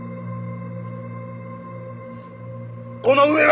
この上は！